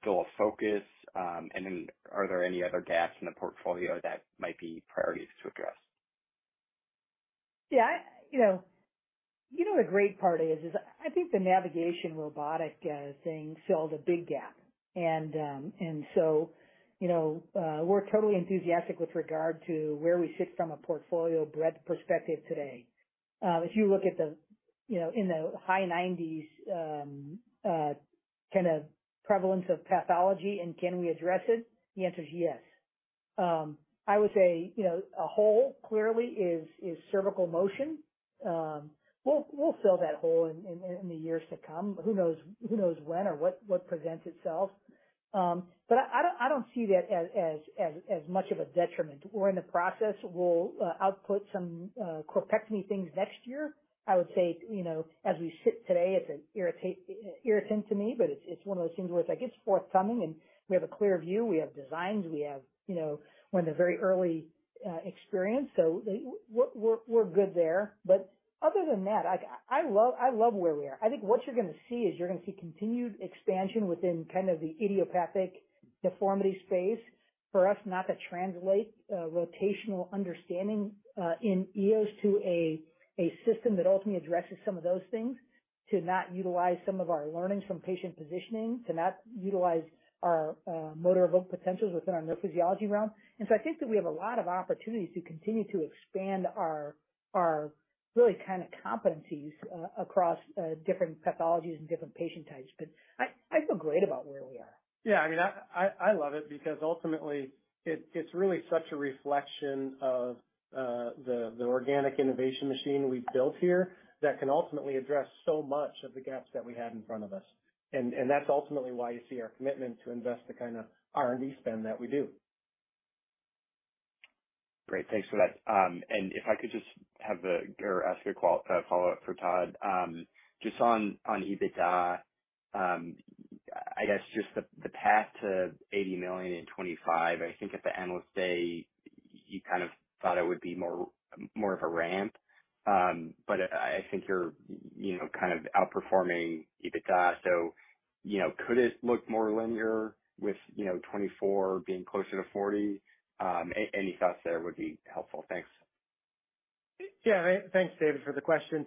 still a focus? And then are there any other gaps in the portfolio that might be priorities to address? Yeah, I, you know, you know what a great part is, is I think the navigation robotic thing filled a big gap. You know, we're totally enthusiastic with regard to where we sit from a portfolio breadth perspective today. If you look at the, you know, in the high nineties, kind of prevalence of pathology and can we address it? The answer is yes. I would say, you know, a hole clearly is, is cervical motion. We'll, we'll fill that hole in, in, in the years to come. Who knows, who knows when or what, what presents itself. I, I don't, I don't see that as, as, as, as much of a detriment. We're in the process, we'll output some corpectomy things next year. I would say, you know, as we sit today, it's an irritant to me, but it's, it's one of those things where it's like, it's forthcoming and we have a clear view. We have designs, we have, you know, one of the very early experience. we're, we're, we're good there. Other than that, I, I love, I love where we are. I think what you're gonna see is you're gonna see continued expansion within kind of the idiopathic deformity space. For us not to translate rotational understanding in EOS to a, a system that ultimately addresses some of those things, to not utilize some of our learnings from patient positioning, to not utilize our motor evoked potentials within our neurophysiology realm. I think that we have a lot of opportunities to continue to expand our, our really kind of competencies, across, different pathologies and different patient types. I, I feel great about where we are. Yeah, I mean, I love it because ultimately it's really such a reflection of the organic innovation machine we've built here that can ultimately address so much of the gaps that we have in front of us. That's ultimately why you see our commitment to invest the kind of R&D spend that we do. Great. Thanks for that. And if I could just have the or ask a follow-up for Todd. Just on EBITDA, I guess just the path to $80 million in 2025. I think at the Analyst Day, you kind of thought it would be more, more of a ramp. But I, I think you're, you know, kind of outperforming EBITDA. So, you know, could it look more linear with, you know, 2024 being closer to $40 million? Any thoughts there would be helpful. Thanks. Yeah, thanks, David, for the question.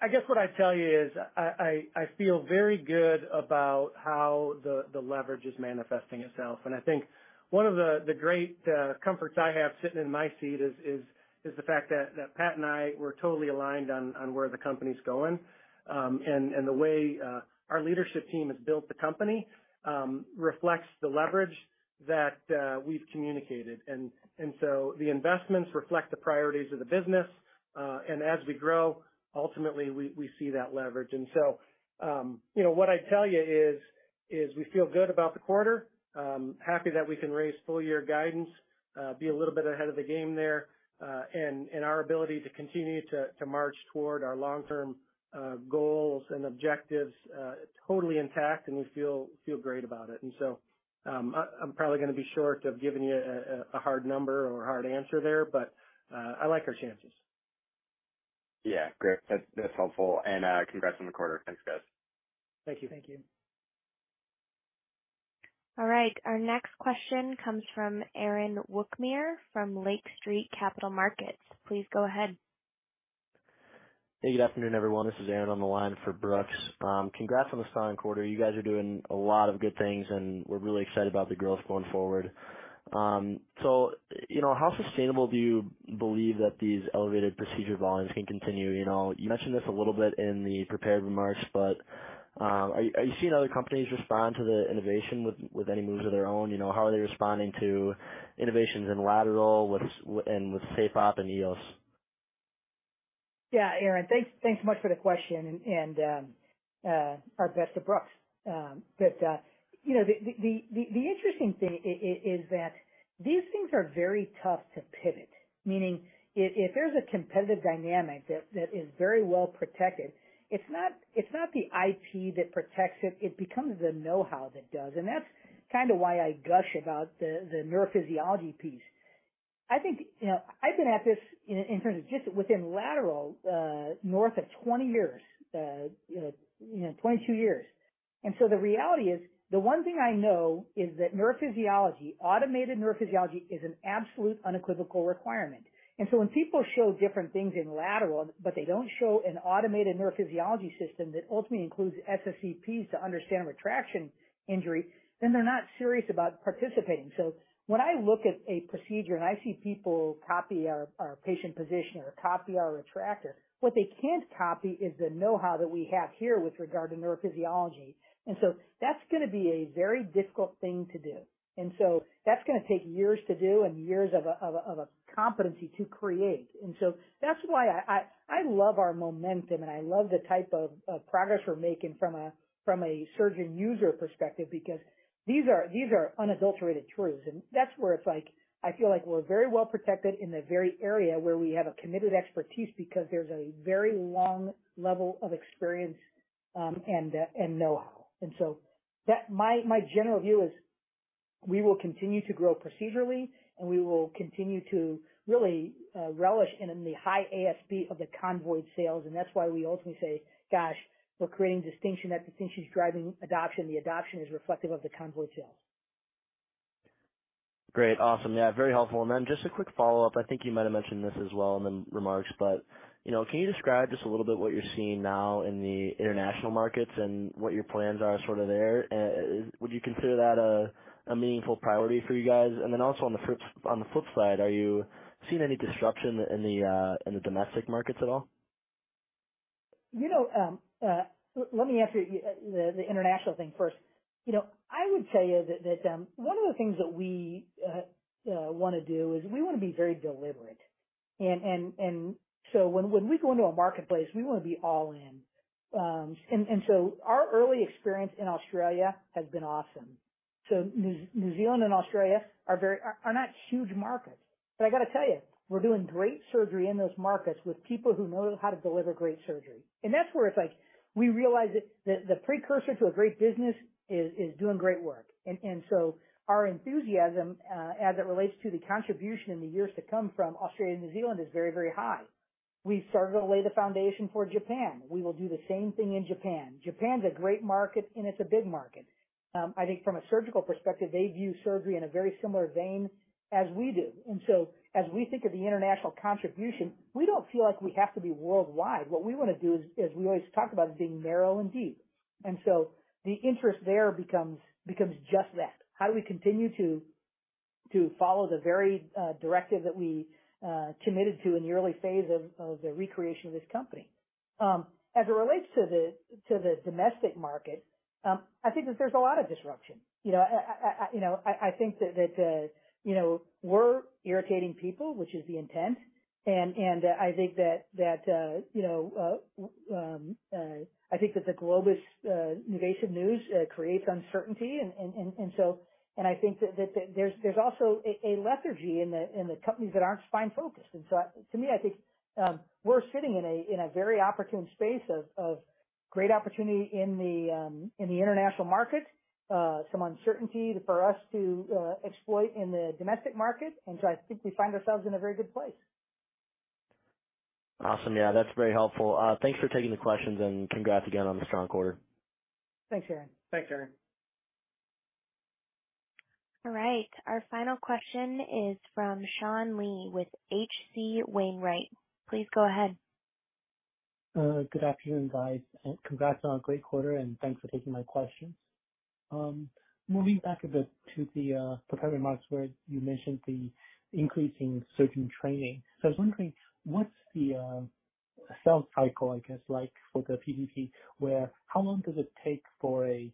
I guess what I'd tell you is I, I, I feel very good about how the, the leverage is manifesting itself, and I think one of the, the great, comforts I have sitting in my seat is, is, is the fact that, that Pat and I, we're totally aligned on, on where the company's going. The way, our leadership team has built the company, reflects the leverage that, we've communicated. So the investments reflect the priorities of the business. As we grow, ultimately, we, we see that leverage. So, you know, what I'd tell you is, is we feel good about the quarter. Happy that we can raise full year guidance, be a little bit ahead of the game there, and our ability to continue to march toward our long-term goals and objectives, totally intact, and we feel great about it. I'm probably gonna be short of giving you a hard number or a hard answer there, but I like our chances. Yeah. Great. That's, that's helpful. Congrats on the quarter. Thanks, guys. Thank you. Thank you. All right. Our next question comes from Aaron Wukmir, from Lake Street Capital Markets. Please go ahead. Hey, good afternoon, everyone. This is Aaron on the line for Brooks. Congrats on the strong quarter. You guys are doing a lot of good things, we're really excited about the growth going forward. You know, how sustainable do you believe that these elevated procedure volumes can continue? You know, you mentioned this a little bit in the prepared remarks, are, are you seeing other companies respond to the innovation with, with any moves of their own? You know, how are they responding to innovations in lateral, with, and with SafeOp and EOS? Yeah, Aaron, thanks. Thanks so much for the question and our best to Brooks. You know, the, the, the, the interesting thing is that these things are very tough to pivot. Meaning if, if there's a competitive dynamic that, that is very well protected, it's not, it's not the IP that protects it, it becomes the know-how that does. That's kind of why I gush about the, the neurophysiology piece. I think, you know, I've been at this in, in terms of just within lateral, north of 20 years, you know, 22 years. The reality is, the one thing I know is that neurophysiology, automated neurophysiology is an absolute unequivocal requirement. When people show different things in lateral, but they don't show an automated neurophysiology system that ultimately includes SSEPs to understand retraction injury, then they're not serious about participating. When I look at a procedure and I see people copy our, our patient position or copy our retractor, what they can't copy is the know-how that we have here with regard to neurophysiology. That's gonna be a very difficult thing to do. That's gonna take years to do and years of a, of a, of a competency to create. That's why I, I, I love our momentum, and I love the type of, of progress we're making from a, from a surgeon user perspective, because these are, these are unadulterated truths. That's where it's like, I feel like we're very well protected in the very area where we have a committed expertise because there's a very long level of experience, and know-how. My general view is. We will continue to grow procedurally, and we will continue to really relish in the high ASP of the convoyed sales. That's why we ultimately say, "Gosh, we're creating distinction, that distinction is driving adoption. The adoption is reflective of the convoyed sales. Great. Awesome. Yeah, very helpful. Just a quick follow-up, I think you might have mentioned this as well in the remarks, but, you know, can you describe just a little bit what you're seeing now in the international markets and what your plans are sort of there? Would you consider that a, a meaningful priority for you guys? Also on the flip, on the flip side, are you seeing any disruption in the, in the domestic markets at all? You know, let me answer the, the international thing first. You know, I would tell you that, that, one of the things that we, wanna do is we wanna be very deliberate. When we go into a marketplace, we wanna be all in. Our early experience in Australia has been awesome. New Zealand and Australia are not huge markets, but I gotta tell you, we're doing great surgery in those markets with people who know how to deliver great surgery. That's where it's like we realize that the precursor to a great business is doing great work. Our enthusiasm, as it relates to the contribution in the years to come from Australia and New Zealand, is very, very high. We've started to lay the foundation for Japan. We will do the same thing in Japan. Japan's a great market, and it's a big market. I think from a surgical perspective, they view surgery in a very similar vein as we do. As we think of the international contribution, we don't feel like we have to be worldwide. What we wanna do is, is we always talk about being narrow and deep, and so the interest there becomes, becomes just that. How do we continue to, to follow the very directive that we committed to in the early phase of, of the recreation of this company? As it relates to the, to the domestic market, I think that there's a lot of disruption. You know, I, I, I, you know, I, I think that, that, you know, we're irritating people, which is the intent. I think that, that, you know, I think that the Globus NuVasive news creates uncertainty. I think that, that there's, there's also a, a lethargy in the, in the companies that aren't spine focused. To me, I think, we're sitting in a, in a very opportune space of, of great opportunity in the, in the international market, some uncertainty for us to exploit in the domestic market. I think we find ourselves in a very good place. Awesome. Yeah, that's very helpful. Thanks for taking the questions, and congrats again on the strong quarter. Thanks, Aaron. Thanks, Aaron. All right. Our final question is from Sean Lee with H.C. Wainwright. Please go ahead. Good afternoon, guys, and congrats on a great quarter, and thanks for taking my questions. Moving back a bit to the prepared remarks, where you mentioned the increase in surgeon training. I was wondering, what's the sales cycle, I guess, like for the PTP, where how long does it take for a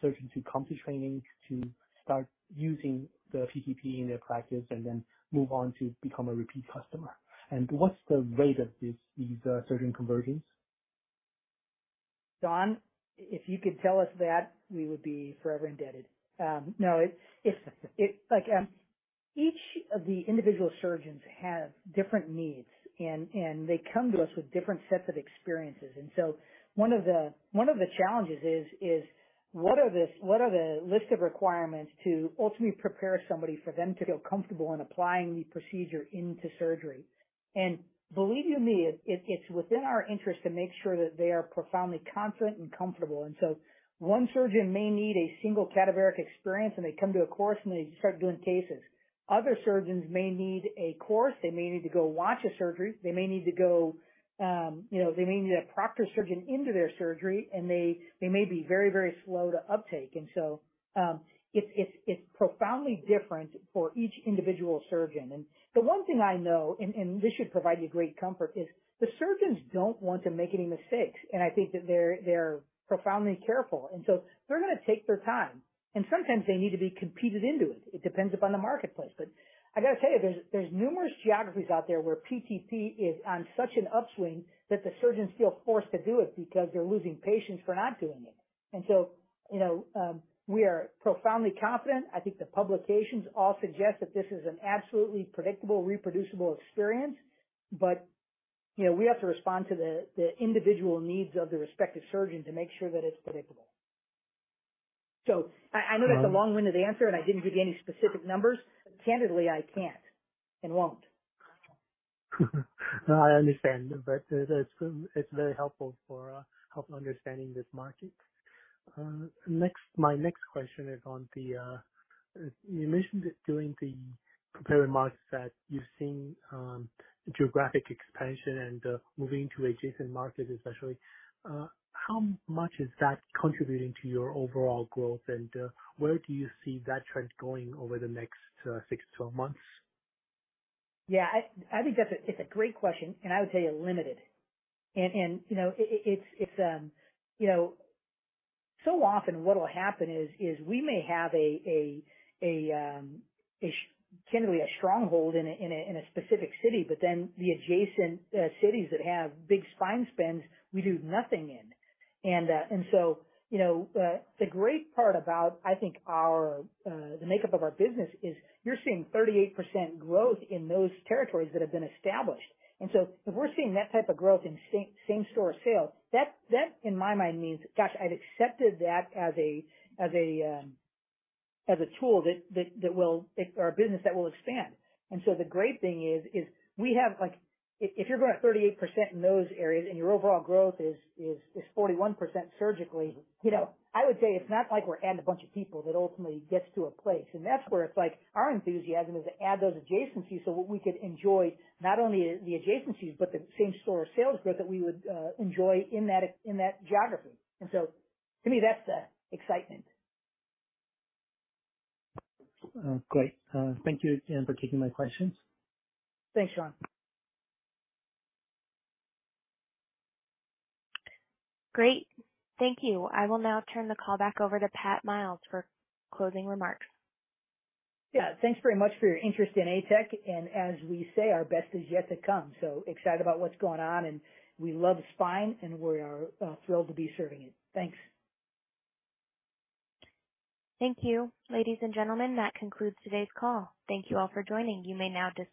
surgeon to complete training to start using the PTP in their practice and then move on to become a repeat customer? What's the rate of these, these surgeon conversions? Sean, if you could tell us that, we would be forever indebted. No, it's Like, each of the individual surgeons have different needs, and they come to us with different sets of experiences. One of the challenges is what are the list of requirements to ultimately prepare somebody for them to feel comfortable in applying the procedure into surgery? Believe you me, it's within our interest to make sure that they are profoundly confident and comfortable. One surgeon may need a single cadaveric experience, and they come to a course, and they start doing cases. Other surgeons may need a course. They may need to go watch a surgery. They may need to go, you know, they may need a proctor surgeon into their surgery, and they, they may be very, very slow to uptake. It's, it's, it's profoundly different for each individual surgeon. The one thing I know, and, and this should provide you great comfort, is the surgeons don't want to make any mistakes, and I think that they're, they're profoundly careful, they're gonna take their time, and sometimes they need to be competed into it. It depends upon the marketplace. I gotta tell you, there's, there's numerous geographies out there where PTP is on such an upswing that the surgeons feel forced to do it because they're losing patients for not doing it. You know, we are profoundly confident. I think the publications all suggest that this is an absolutely predictable, reproducible experience. You know, we have to respond to the, the individual needs of the respective surgeon to make sure that it's predictable. I, I know that's a long-winded answer, and I didn't give you any specific numbers. Candidly, I can't and won't. I understand, it's, it's very helpful for help understanding this market. My next question is on the, you mentioned that during the prepared remarks that you've seen geographic expansion and moving into adjacent markets especially. How much is that contributing to your overall growth, and where do you see that trend going over the next 6 to 12 months? Yeah, I, I think that's a, it's a great question, and I would say limited. You know, it, it, it's, it's, you know, so often what will happen is, is we may have a, a, a, candidly, a stronghold in a, in a, in a specific city, but then the adjacent cities that have big spine spends, we do nothing in. You know, the great part about, I think, our the makeup of our business is you're seeing 38% growth in those territories that have been established. If we're seeing that type of growth in same store sales, that, that, in my mind, means, gosh, I'd accepted that as a, as a, as a tool that, that, that will, or a business that will expand. The great thing is, is we have, like, if, if you're growing at 38% in those areas and your overall growth is, is, is 41% surgically, you know, I would say it's not like we're adding a bunch of people that ultimately gets to a place. That's where it's like our enthusiasm is to add those adjacencies so we could enjoy not only the adjacencies, but the same store sales growth that we would enjoy in that, in that geography. To me, that's the excitement. Great. Thank you again for taking my questions. Thanks, Sean. Great. Thank you. I will now turn the call back over to Pat Miles for closing remarks. Yeah. Thanks very much for your interest in ATEC, and as we say, our best is yet to come. Excited about what's going on, and we love spine, and we are thrilled to be serving you. Thanks. Thank you. Ladies and gentlemen, that concludes today's call. Thank you all for joining. You may now disconnect.